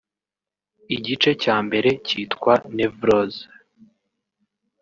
Igice cya mbere kitwa 'Nevrose'